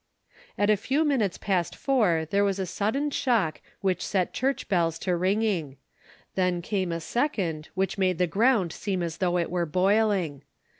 At a few minutes past four there was a sudden shock which set church bells to ringing. Then came a second, which made the ground seem as though it were boiling.